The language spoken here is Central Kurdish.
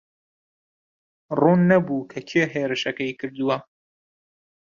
ڕوون نەبوو کە کێ هێرشەکەی کردووە.